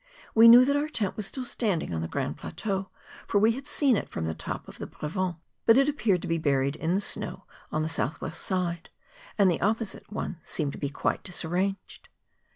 We knew that our tent was still standing on the Grand Plateau; for we had seen it from the top of the Prevent; but it appeared to be buried in the snow on the south¬ west side; and the opposite one seemed to be quite disarranged.